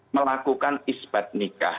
melakukan ispat nikah